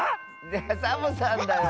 ⁉いやサボさんだよ。